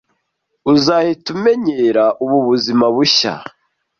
Uzahita umenyera ubu buzima bushya.